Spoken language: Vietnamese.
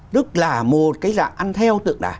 đức là một cái dạng ăn theo tượng đài